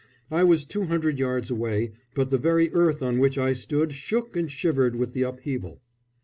I was two hundred yards away, but the very earth on which I stood shook and shivered with the upheaval.